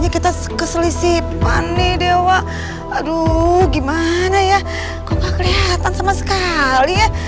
kejahatan sama sekali ya